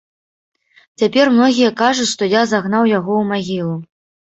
Цяпер многія кажуць, што я загнаў яго ў магілу.